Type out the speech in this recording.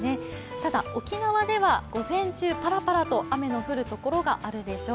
ただ沖縄では午前中パラパラと雨の降るところがあるでしょう。